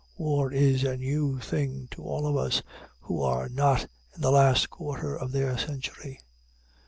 war is a new thing to all of us who are not in the last quarter of their century.